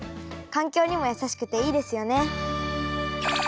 環境にもやさしくていいですよね。